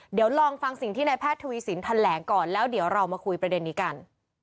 เดี๋ยวลองฟังสิ่งที่นายแพทย์ทวีสินแถลงก่อนแล้วเดี๋ยวเรามาคุยประเด็นนี้กัน